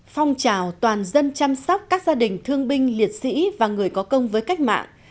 phong trào toàn dân chăm sóc các gia đình thương binh liệt sĩ và người có công với cách mạng